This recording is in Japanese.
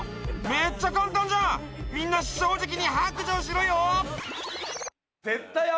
めっちゃ簡単じゃんみんな正直に白状しろよ！